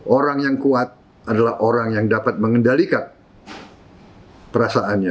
orang yang kuat adalah orang yang dapat mengendalikan perasaannya